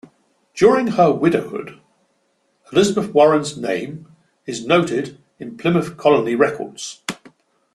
During her widowhood, Elizabeth Warren's name is noted in Plymouth Colony records.